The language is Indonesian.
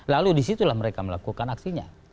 lalu disitulah mereka melakukan aksinya